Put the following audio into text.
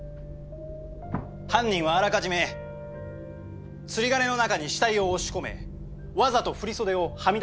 犯人はあらかじめ釣り鐘の中に死体を押し込めわざと振り袖をはみ出させておいた。